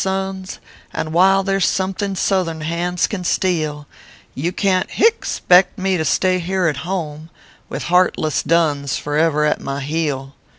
sons, And while there s something Southern hands can steal, You can t (hie) spect me to stay here at home With heartless duns for ever at my heel.